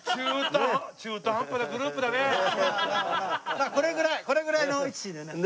まあこれぐらいこれぐらいの位置でね。